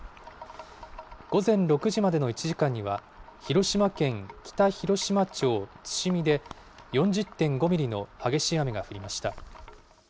午前６時までの１時間には、広島県北広島町都志見で４０．５ミリの激しい雨が降りました。